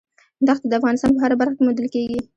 دښتې د افغانستان په هره برخه کې موندل کېږي.